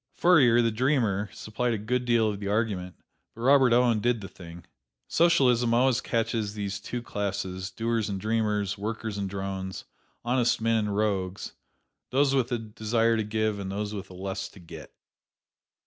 Fourier, the dreamer, supplied a good deal of the argument, but Robert Owen did the thing. Socialism always catches these two classes, doers and dreamers, workers and drones, honest men and rogues, those with a desire to give and those with a lust to get.